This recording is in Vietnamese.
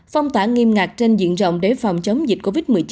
phong tỏa nghiêm ngạc trên diện rộng đề phòng chống dịch covid một mươi chín